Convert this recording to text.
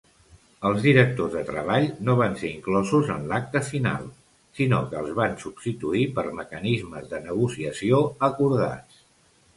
Els directors de treball no van ser inclosos en l'acte final, sinó que els van substituir per mecanismes de negociació acordats.